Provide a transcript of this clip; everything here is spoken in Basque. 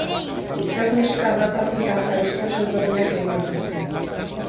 Rock musika ardatz hartuta, abesti oso ezberdinak egin dituzte.